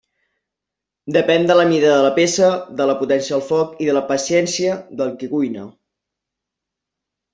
Depèn de la mida de la peça, de la potència del foc i de la paciència del qui cuina.